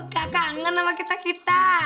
gak kangen sama kita kita